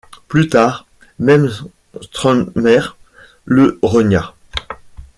Plus tard, même Strummer le renia.